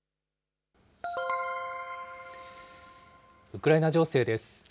ウクライナ情勢です。